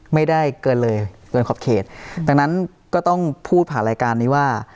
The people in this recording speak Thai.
ไม่ได้เกินเลยเกินขอบเขตดังนั้นก็ต้องพูดผ่านรายการนี้ว่า